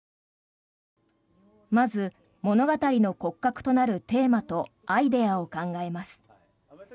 まず、物語の骨格となるテーマとアイデアを考えます。